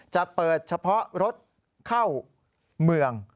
จะเปิดเฉพาะรถเข้าเมือง